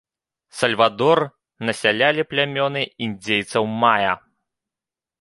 Сальвадор насялялі плямёны індзейцаў мая.